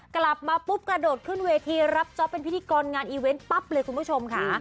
กลับมาปุ๊บกระโดดขึ้นเวทีรับจ๊อปเป็นพิธีกรงานอีเวนต์ปั๊บเลยคุณผู้ชมค่ะ